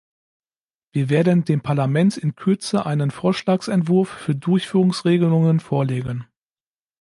Wir werden dem Parlament in Kürze einen Vorschlagsentwurf für Durchführungsregelungen vorlegen.